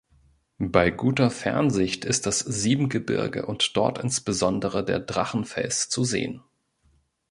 Bei guter Fernsicht ist das Siebengebirge und dort insbesondere der Drachenfels zu sehen.